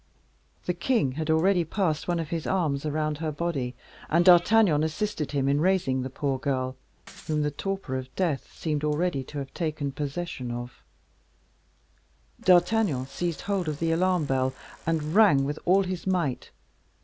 The king had already passed one of his arms round her body, and D'Artagnan assisted him in raising the poor girl, whom the torpor of death seemed already to have taken possession of. D'Artagnan seized hold of the alarm bell and rang with all his might.